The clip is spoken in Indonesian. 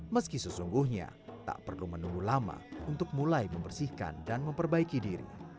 meski sesungguhnya tak perlu menunggu lama untuk mulai membersihkan dan memperbaiki diri